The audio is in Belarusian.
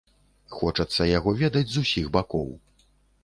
Хочацца яго ведаць з усіх бакоў.